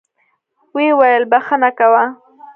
ويې ويل بخښه کوه.